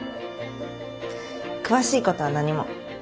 詳しいことは何も。